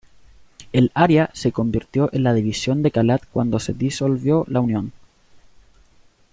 El área se convirtió en la división de Kalat cuando se disolvió la Unión.